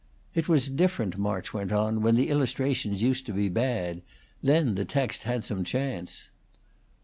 "It was different," March went on, "when the illustrations used to be bad. Then the text had some chance."